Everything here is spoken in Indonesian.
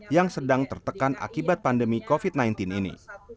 yang sedang tertekan akibat pandemi covid sembilan belas ini